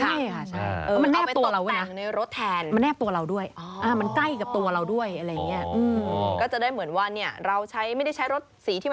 ใช่มันแนบตัวเราด้วยนะเอาไปตกต่างในรถแทน